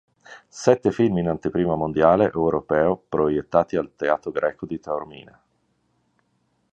Sette film in anteprima mondiale o europea proiettati al Teatro Greco di Taormina.